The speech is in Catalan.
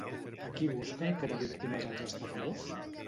A qui busquen com a víctimes els estafadors?